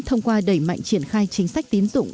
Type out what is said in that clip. thông qua đẩy mạnh triển khai chính sách tín dụng